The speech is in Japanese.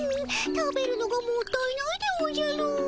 食べるのがもったいないでおじゃる。